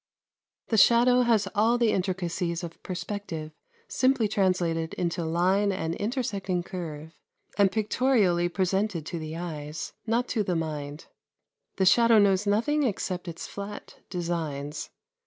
The shadow has all intricacies of perspective simply translated into line and intersecting curve, and pictorially presented to the eyes, not to the mind. The shadow knows nothing except its flat designs.